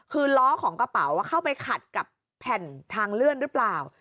คือล้อของกระเป๋าเข้าไปขัดกับแผ่นทางเลื่อนหรือเปล่า